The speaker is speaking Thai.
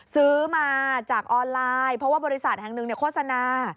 ซื้อมาจากออนไลน์เพราะว่าบริษัทแห่งหนึ่งโฆษณา